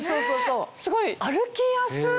すごい歩きやすい。